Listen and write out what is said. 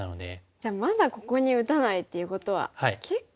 じゃあまだここに打たないということは結構。